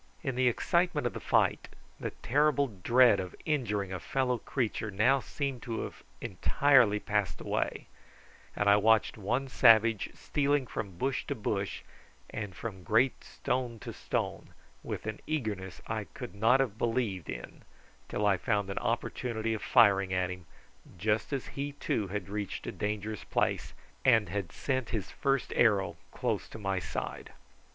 In the excitement of the fight the terrible dread of injuring a fellow creature now seemed to have entirely passed away, and I watched one savage stealing from bush to bush, and from great stone to stone with an eagerness I could not have believed in till I found an opportunity of firing at him, just as he too had reached a dangerous place and had sent his first arrow close to my side.